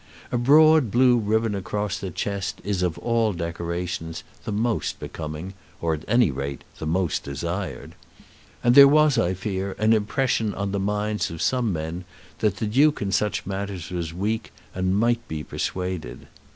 A broad blue ribbon across the chest is of all decorations the most becoming, or, at any rate, the most desired. And there was, I fear, an impression on the minds of some men that the Duke in such matters was weak and might be persuaded.